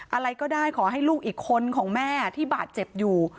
อะไรก็ได้ขอให้ลูกอีกคนของแม่ที่บาดเจ็บอยู่